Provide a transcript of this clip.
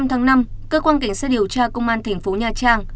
từ năm tháng năm cơ quan cảnh sát điều tra công an tp nha trang